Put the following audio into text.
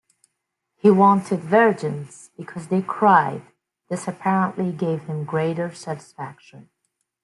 He wanted virgins "because they cried"; this apparently gave him greater satisfaction.